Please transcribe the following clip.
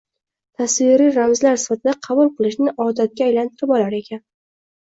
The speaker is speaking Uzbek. tasviriy ramzlar sifatida qabul qilishni odatga aylantirib olar ekan.